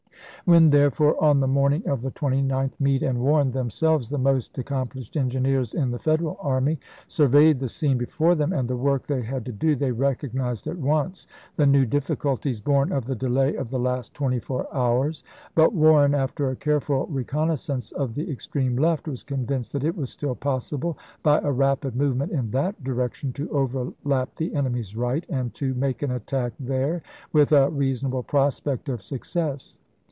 Nov., 1863. When, therefore, on the morning of the 29th, Meade and Warren, themselves the most ac complished engineers in the Federal army, sur veyed the scene before them and the work they had to do, they recognized at once the new diffi culties born of the delay of the last twenty four hours. But Warren, after a careful reconnais sance of the extreme left, was convinced that it was still possible, by a rapid movement in that direction, to overlap the enemy's right, and to make an attack there with a reasonable prospect of success.